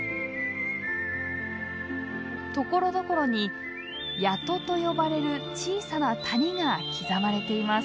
ところどころに「谷戸」と呼ばれる小さな谷が刻まれています。